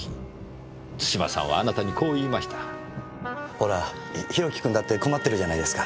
ほら博貴君だって困ってるじゃないですか。